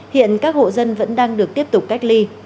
hiện các hộ dân vẫn đang được tiếp tục cách ly